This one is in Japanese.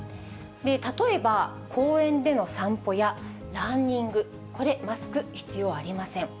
例えば、公園での散歩やランニング、これ、マスク必要ありません。